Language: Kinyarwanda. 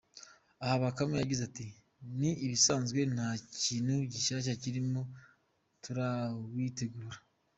Aha Bakame yagize ati “Ni ibisanzwe, nta kintu gishyashya kirimo, turawiteguye.